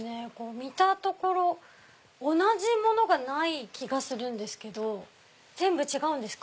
見たところ同じものがない気がするんですけど全部違うんですか？